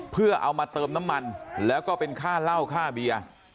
เพื่อเอามาเติมน้ำมันแล้วก็เป็นค่าเหล้าค่าเบียร์